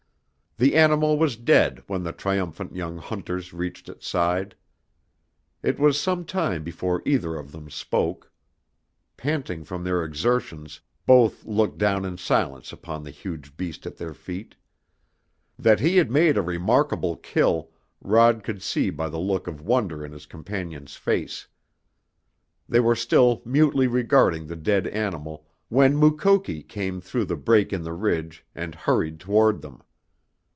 The animal was dead when the triumphant young hunters reached its side. It was some time before either of them spoke. Panting from their exertions, both looked down in silence upon the huge beast at their feet. That he had made a remarkable kill Rod could see by the look of wonder in his companion's face. They were still mutely regarding the dead animal when Mukoki came through the break in the ridge and hurried toward them.